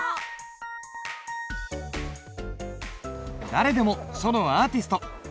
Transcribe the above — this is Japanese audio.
誰でも書のアーティスト！